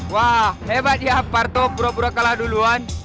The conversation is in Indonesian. wah hebat ya parto pura pura kalah duluan